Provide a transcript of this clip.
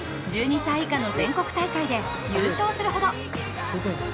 １２歳以下の全国大会で優勝するほど。